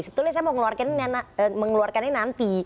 sebetulnya saya mau mengeluarkannya nanti